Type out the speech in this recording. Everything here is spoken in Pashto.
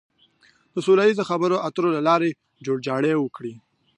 د سوله ييزو خبرو اترو له لارې جوړجاړی وکړي.